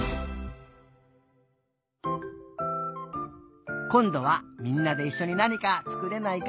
こんどはみんなでいっしょになにかつくれないかな？